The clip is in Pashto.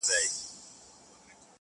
دومره ډک نه وو